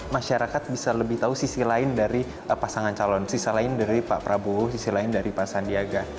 masyarakat bisa lebih tahu sisi lain dari pasangan calon sisi lain dari pak prabowo sisi lain dari pak sandiaga